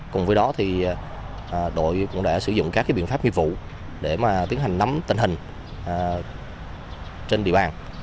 cùng với đó thì đội cũng đã sử dụng các biện pháp nghiệp vụ để tiến hành nắm tình hình trên địa bàn